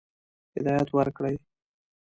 هدایت ورکړي.